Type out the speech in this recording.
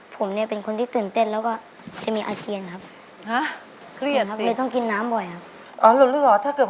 ฟินครับเพราะลูกฟินครับ